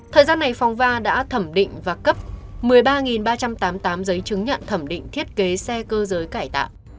thời gian này phòng va đã thẩm định và cấp một mươi ba ba trăm tám mươi tám giấy chứng nhận thẩm định thiết kế xe cơ giới cải tạo